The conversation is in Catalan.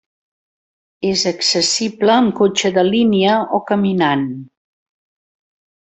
És accessible amb cotxe de línia o caminant.